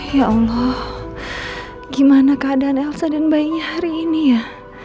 ya allah gimana keadaan elsa dan bayinya hari ini ya